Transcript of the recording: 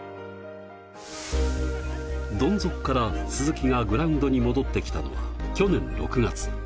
どん底から鈴木がグラウンドに戻ってきたのは去年６月。